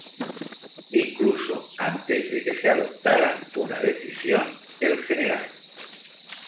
Incluso, antes de que se adoptara una decisión, el Gral.